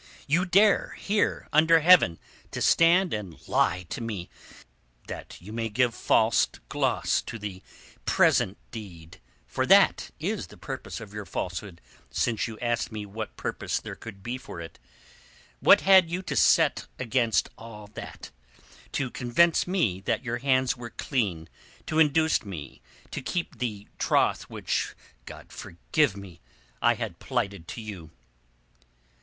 You dare here under Heaven to stand and lie to me that you may give false gloze to the villainy of your present deed—for that is the purpose of your falsehood, since you asked me what purpose there could be for it. What had you to set against all that, to convince me that your hands were clean, to induce me to keep the troth which—God forgive me!—I had plighted to you?"